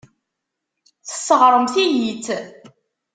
Tesseṛɣemt-iyi-tt.